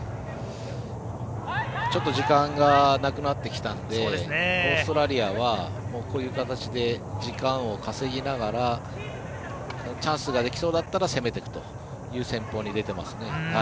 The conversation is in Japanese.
時間がなくなってきたのでオーストラリアはこういう形で時間を稼ぎながらチャンスができそうだったら攻めていくという戦法に出てますね。